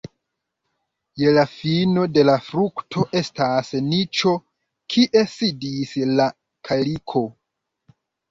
Je la fino de la frukto estas niĉo, kie sidis la kaliko.